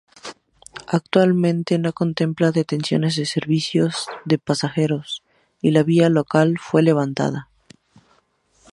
Actualmente no contempla detenciones de servicios de pasajeros, y la vía local fue levantada.